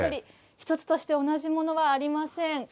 １つとして同じものはありません。